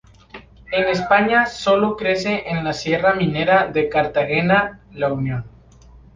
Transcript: En España sólo crece en la Sierra minera de Cartagena-La Unión.